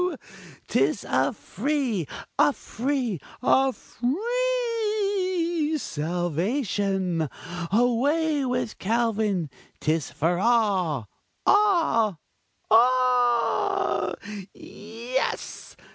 'tis a free, a free, a free salvation! away with Calvin! 'tis for all! all! ALL! Yes!